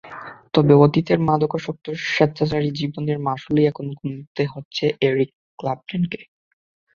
তবে অতীতের মাদকাসক্ত স্বেচ্ছাচারী জীবনের মাশুলই এখন গুনতে হচ্ছে এরিক ক্ল্যাপটনকে।